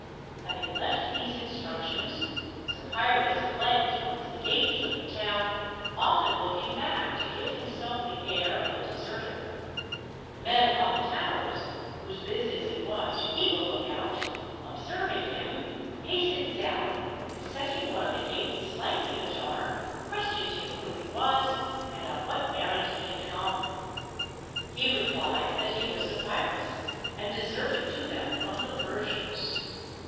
Having left these instructions, Zopyrus fled towards the gates of the town, often looking back, to give himself the air of a deserter. The men upon the towers, whose business it was to keep a lookout, ob serving him, hastened down, and setting one of the gates slightly ajar, questioned him who he was, and on what errand he had come. He replied that he was Zopyrus, and deserted to them from the Persians.